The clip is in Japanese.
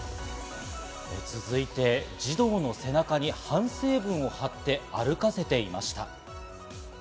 続いて、児童の背中に反省文を貼って歩かせていました。